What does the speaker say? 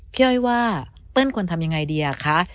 พี่อ้อยว่าเปิ้ลควรทำยังไงดีอะคะ